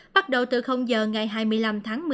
bắt đầu từ giờ ngày hai mươi năm tháng một mươi